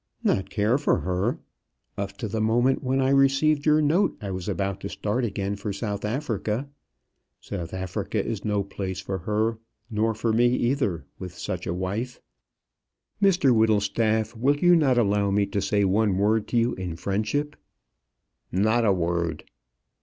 "Not care for her! Up to the moment when I received your note, I was about to start again for South Africa. South Africa is no place for her, nor for me either, with such a wife. Mr Whittlestaff, will you not allow me to say one word to you in friendship?" "Not a word."